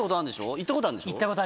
行ったことあるんでしょ？